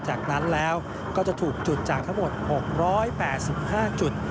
จากนั้นแล้วก็จะถูกจุดจากทั้งหมด๖๘๕จุด